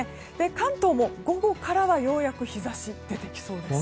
関東も午後からはようやく日差しが出てきそうです。